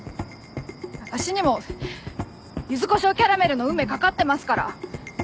私にもゆずこしょうキャラメルの運命懸かってますから。